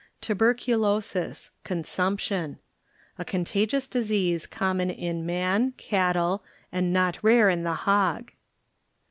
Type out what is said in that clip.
TuBEBCtnosis (Consumption). ŌĆö A contagious disease common ia man, cat' tie and not rare in the hog.